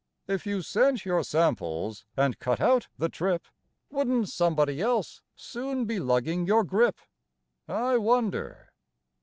If you sent your samples and cut out the trip, Wouldn't somebody else soon be lugging your grip, I wonder?